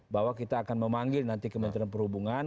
bahwa kita akan memanggil nanti kementerian perhubungan